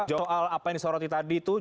soal apa yang disoroti tadi itu